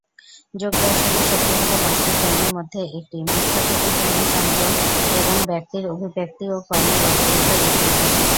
যোগ দর্শনে, সত্য হল পাঁচটি যমের মধ্যে একটি, মিথ্যা থেকে পুণ্য সংযম এবং ব্যক্তির অভিব্যক্তি ও কর্মে বাস্তবতার বিকৃতি।